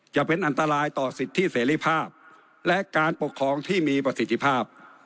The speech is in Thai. จะเป็นอันตรายต่อสิทธิเสรีภาพและการปกครองที่มีประสิทธิภาพ